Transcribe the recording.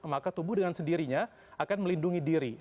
maka tubuh dengan sendirinya akan melindungi diri